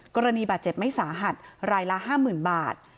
กรณีบาดเจ็บไม่สาหัสรายละ๕๐๐๐บาท